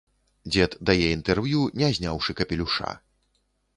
Дзед дае інтэрв'ю, не зняўшы капелюша.